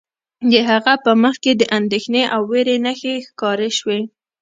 د هغه په مخ کې د اندیښنې او ویرې نښې ښکاره شوې